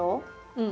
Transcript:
うん。